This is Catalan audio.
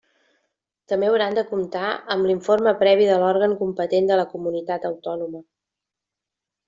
També hauran de comptar amb l'informe previ de l’òrgan competent de la comunitat autònoma.